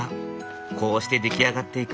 こうして出来上がっていく。